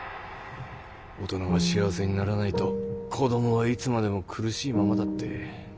大人が幸せにならないと子供はいつまでも苦しいままだって。